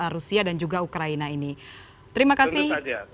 rusia dan juga ukraina ini terima kasih